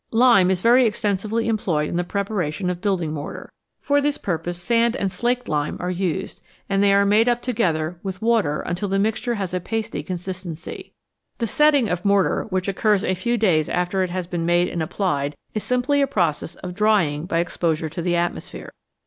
Lime is very extensively employed in the prepara tion of building mortar. For this purpose sand and slaked lime are used, and they are made up together with water until the mixture has a pasty consistency. The setting of mortar which occurs a few days after it has been made and applied is simply a process of drying by exposure to the atmosphere.